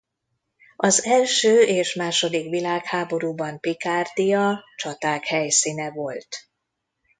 Az első- és második világháborúban Pikárdia csaták helyszíne volt.